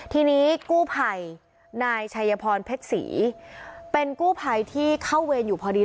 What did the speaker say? ทีนี้กู้ภัยนายชัยพรเพชรศรีเป็นกู้ภัยที่เข้าเวรอยู่พอดี